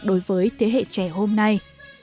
đối với thế hệ trẻ hôm nay